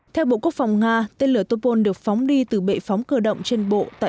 theo bộ quốc phòng nga tên lửa topol được phóng đi từ bệ phóng cửa động trên bộ tại